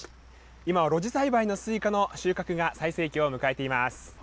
今は露地栽培のスイカの収穫が最盛期を迎えています。